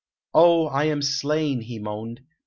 "Oh, I am slain!" he moaned.